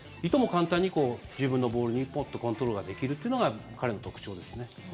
簡単に自分のボールにポッと、コントロールができるっていうのが彼の特徴ですね。